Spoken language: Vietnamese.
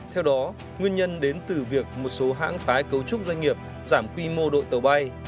theo đó nguyên nhân đến từ việc một số hãng tái cấu trúc doanh nghiệp giảm quy mô đội tàu bay